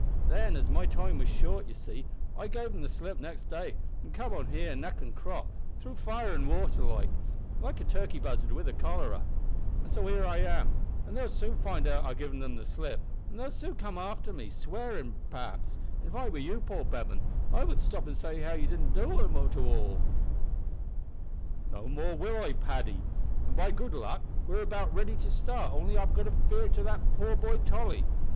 Then, as my time was short, you see, I gave 'em the slip nixt day an' comed on here, neck an' crop, through fire an' water, like a turkey buzzard wi' the cholera. An' so here I am, an' they'll soon find out I've given 'em the slip, an' they'll come after me, swearin', perhaps; an' if I was you, Paul Bevan, I wouldn't stop to say how d'ye do to them." "No more I will, Paddy an', by good luck, we're about ready to start only I've got a fear for that poor boy Tolly.